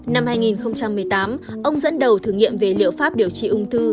năm hai nghìn một mươi tám ông dẫn đầu thử nghiệm về liệu pháp điều trị ung thư